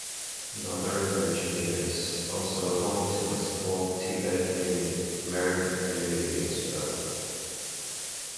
Northern Virginia is also home to a small Tibetan American community as well.